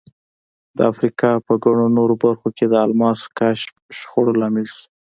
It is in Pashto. د افریقا په ګڼو نورو برخو کې د الماسو کشف شخړو لامل شو.